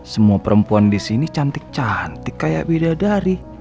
semua perempuan di sini cantik cantik kayak bidadari